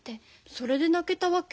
それで泣けたわけ？